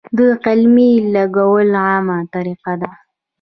د قلمې لګول عامه طریقه ده.